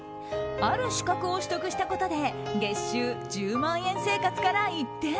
ある資格を取得したことで月収１０万円生活から一転！